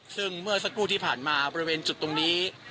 ซึ่งเมื่อสักครู่ที่ผ่านมาบริเวณจุดตรงนี้